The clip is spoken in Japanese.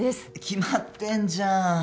決まってんじゃん。